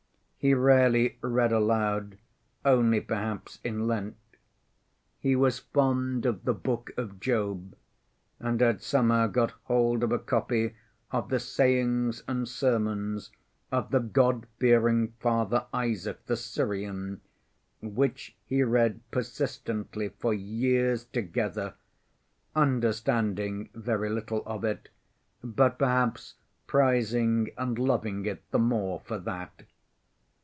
He rarely read aloud, only perhaps in Lent. He was fond of the Book of Job, and had somehow got hold of a copy of the sayings and sermons of "the God‐fearing Father Isaac the Syrian," which he read persistently for years together, understanding very little of it, but perhaps prizing and loving it the more for that.